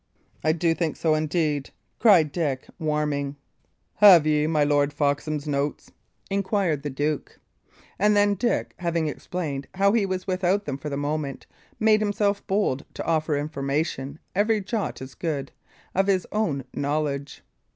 "I do think so, indeed," cried Dick, warming. "Have ye my Lord Foxham's notes?" inquired the duke. And then, Dick, having explained how he was without them for the moment, made himself bold to offer information every jot as good, of his own knowledge.